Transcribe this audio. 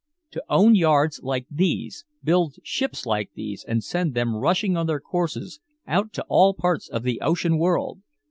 To own yards like these, build ships like these and send them rushing on their courses out to all parts of the ocean world!